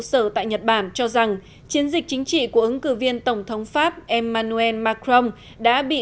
sở tại nhật bản cho rằng chiến dịch chính trị của ứng cử viên tổng thống pháp emmanuel macron đã bị